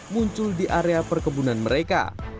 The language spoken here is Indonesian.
muncul di area perkebunan mereka